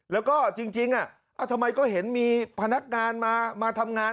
แล้วก็จริงทำไมก็เห็นมีพนักงานมาทำงาน